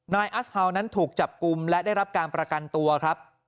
อัสฮาวนั้นถูกจับกลุ่มและได้รับการประกันตัวครับ